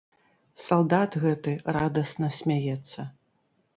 Салдат гэты радасна смяецца.